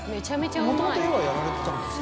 もともと絵はやられてたんですか？